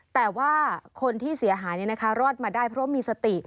แต่ว่าคนที่เสียหายรอดมาได้เพราะมีสติ